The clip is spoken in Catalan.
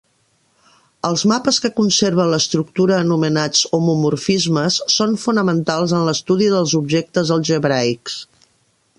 Els mapes que conserven l'estructura anomenats "homomorfismes" són fonamentals en l'estudi dels objectes algebraics.